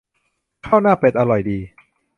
ข้าวหน้าเป็ดอร่อยดี